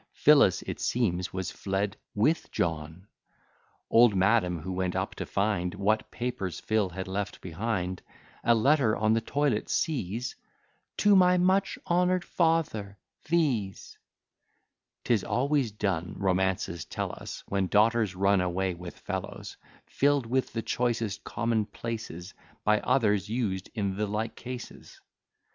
Phyllis, it seems, was fled with John. Old Madam, who went up to find What papers Phyl had left behind, A letter on the toilet sees, "To my much honour'd father these " ('Tis always done, romances tell us, When daughters run away with fellows,) Fill'd with the choicest common places, By others used in the like cases.